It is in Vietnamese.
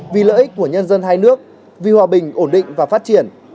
vì lợi ích của nhân dân hai nước vì hòa bình ổn định và phát triển